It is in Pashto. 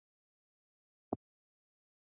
پر څېره یې یوه دردناکه مسکا په نظر راغله.